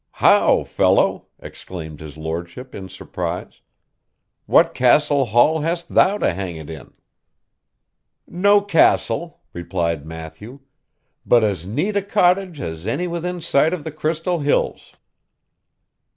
'How, fellow!' exclaimed his lordship, in surprise. 'What castle hall hast thou to hang it in?' 'No castle,' replied Matthew, 'but as neat a cottage as any within sight of the Crystal Hills.